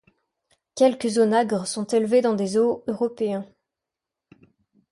Quelques onagres sont élevés dans des zoos européens.